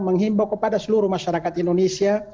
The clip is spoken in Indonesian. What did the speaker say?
menghimbau kepada seluruh masyarakat indonesia